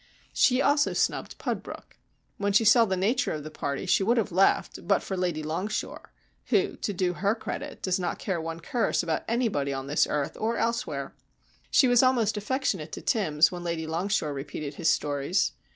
She also snubbed Pudbrook. When she saw the nature of the party she would have left but for Lady Longshore, who, to do her credit, does not care one curse about anybody on this earth or elsewhere. She was almost affectionate to Timbs when Lady Longshore repeated his stories.